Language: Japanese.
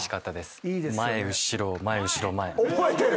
覚えてる！